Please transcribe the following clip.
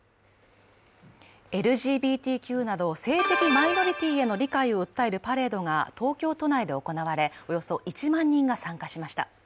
ＬＧＢＴＱなど性的マイノリティーへの理解を訴えるパレードが東京都内で行われ、およそ１万人が参加しました。